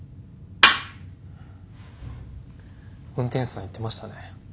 運転手さん言ってましたね。